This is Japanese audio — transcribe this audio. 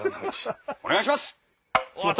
お願いします！